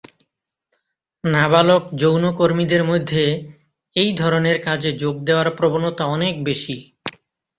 নাবালক যৌনকর্মীদের মধ্যে এই ধরনের কাজে যোগ দেওয়ার প্রবণতা অনেক বেশি।